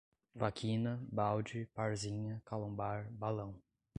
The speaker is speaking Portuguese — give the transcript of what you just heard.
vaquina, balde, parzinha, calombar, balão